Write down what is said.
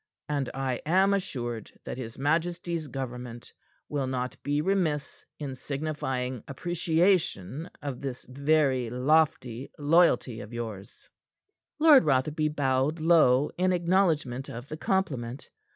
And I am assured that his majesty's government will not be remiss in signifying appreciation of this very lofty loyalty of yours." Lord Rotherby bowed low, in acknowledgment of the compliment.